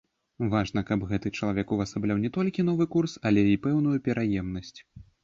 Важна, каб гэты чалавек увасабляў не толькі новы курс, але і пэўную пераемнасць.